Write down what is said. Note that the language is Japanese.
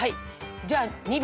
じゃあ２番。